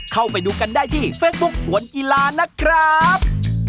เข้าไปดูกันได้ที่เฟซบุ๊คสวนกีฬานะครับ